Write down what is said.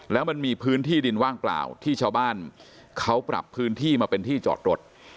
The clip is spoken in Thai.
แล้วมันมีพื้นที่ดินว่างเปล่าที่ชาวบ้านเขาปรับพื้นที่มาเป็นที่จอดรถ